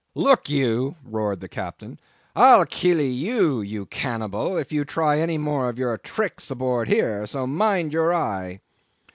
"Look you," roared the Captain, "I'll kill e you, you cannibal, if you try any more of your tricks aboard here; so mind your eye."